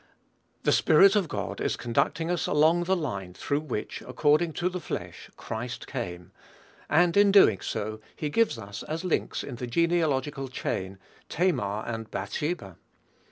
The Spirit of God is conducting us along the line through which, according to the flesh, Christ came; and in doing so he gives us as links in the genealogical chain, Tamar and Bathsheba!